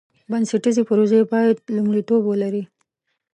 بنسټیزې پروژې باید لومړیتوب ولري.